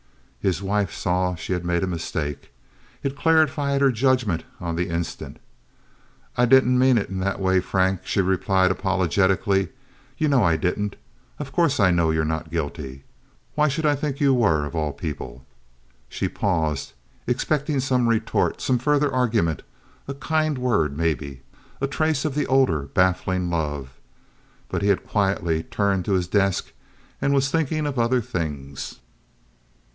His wife saw she had made a mistake. It clarified her judgment on the instant. "I didn't mean in that way, Frank," she replied, apologetically. "You know I didn't. Of course I know you're not guilty. Why should I think you were, of all people?" She paused, expecting some retort, some further argument—a kind word maybe. A trace of the older, baffling love, but he had quietly turned to his desk and was thinking of other things.